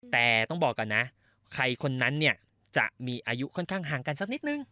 แต่ให้บอกก่อนใหม่ใครคนนั้นจะมีอายุค่อนข้างห่างกันสักนิดนึง